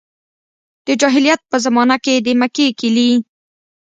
د جاهلیت په زمانه کې د مکې کیلي.